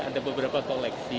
mana yang belum gitu